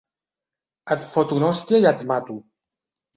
Et foto una hòstia i et mato.